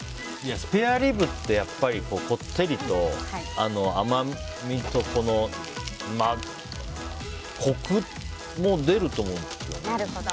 スペアリブってやっぱりこってりと甘みとコクも出ると思うんですよね。